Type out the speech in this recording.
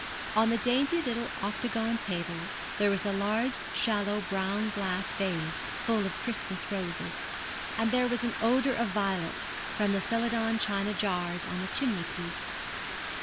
On the dainty little octagon table there was a large shallow brown glass vase full of Christmas roses; and there was an odour of violets from the celadon china jars on the chimney piece.